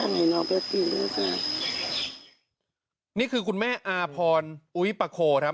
นี่คือคุณแม่อ่าพรอุวิปะโฌครับ